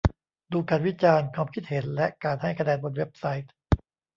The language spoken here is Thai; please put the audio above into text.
ดูการวิจารณ์ ความคิดเห็น และการให้คะแนนบนเว็บไซต์